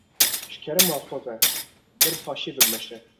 Ji kerema xwe ber bi paşiyê ve bimeşe.